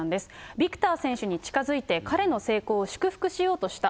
ビクター選手に近づいて、彼の成功を祝福しようとした。